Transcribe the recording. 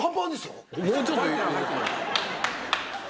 もうちょっと。